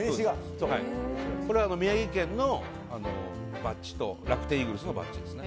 これは宮城県のバッジと楽天イーグルスのバッジです。